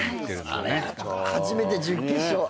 初めて準決勝。